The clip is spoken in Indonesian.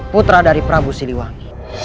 putra dari prabu siliwangi